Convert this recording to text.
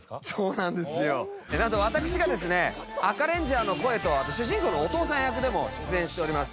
なんと私がですね赤レンジャーの声とあと主人公のお父さん役でも出演しております